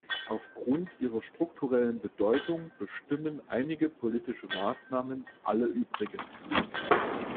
Aufgrund ihrer strukturellen Bedeutung bestimmen einige politische Maßnahmen alle übrigen.